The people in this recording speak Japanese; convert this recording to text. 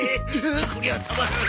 こりゃたまらん。